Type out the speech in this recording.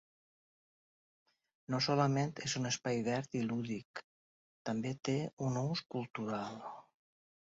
No solament és un espai verd i lúdic, també té un ús cultural.